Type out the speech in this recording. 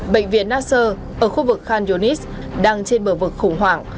bệnh viện nasser ở khu vực khan yunis đang trên bờ vực khủng hoảng